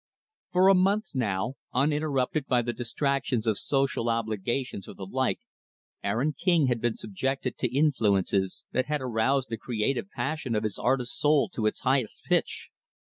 For a month, now, uninterrupted by the distractions of social obligations or the like, Aaron King had been subjected to influences that had aroused the creative passion of his artist soul to its highest pitch.